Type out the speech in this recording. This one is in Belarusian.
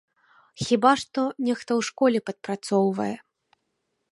Хіба што, нехта ў школе падпрацоўвае.